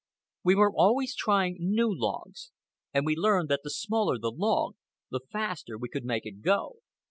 We were always trying new logs, and we learned that the smaller the log the faster we could make it go.